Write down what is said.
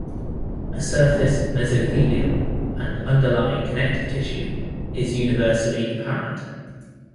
A surface mesothelium and underlying connective tissue is universally apparent.